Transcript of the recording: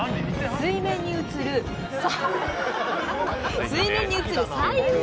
水面に映る彩雲